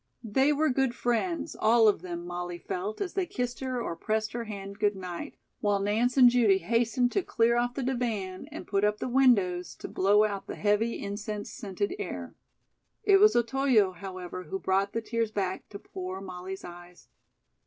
They were good friends, all of them, Molly felt, as they kissed her or pressed her hand good night, while Nance and Judy hastened to clear off the divan and put up the windows to blow out the heavy, incense scented air. It was Otoyo, however, who brought the tears back to poor Molly's eyes.